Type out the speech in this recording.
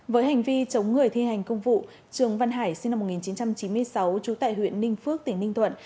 với hành vi chống người thi hành công vụ trường văn hải sinh năm một nghìn chín trăm chín mươi sáu trú tại huyện ninh phước tỉnh ninh thuận